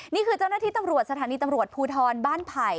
นี่คือเจ้าหน้าที่ตำรวจสถานีตำรวจภูทรบ้านไผ่